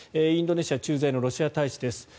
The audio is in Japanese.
インドネシア駐在のロシア大使です。